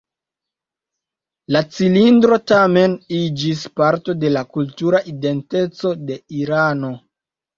La cilindro, tamen, iĝis parto de la kultura identeco de Irano.